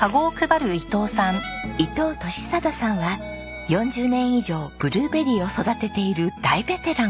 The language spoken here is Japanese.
伊藤利定さんは４０年以上ブルーベリーを育てている大ベテラン。